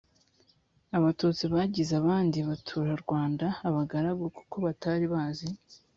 abatutsi bagize abandi baturarwanda abagaragu kuko batari bazi